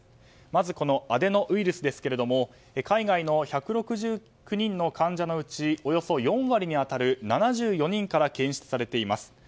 まず、アデノウイルスですが海外の１６９人の患者のうちおよそ４割に当たる７４人から検出されています。